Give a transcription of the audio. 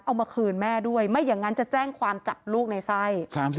เอามาคืนแม่ด้วยไม่อย่างนั้นจะแจ้งความจับลูกในไส้